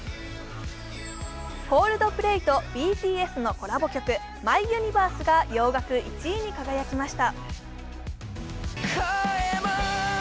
コールドプレイとＢＴＳのコラボ曲、「ＭｙＵｎｉｖｅｒｓｅ」が洋楽１位に輝きました。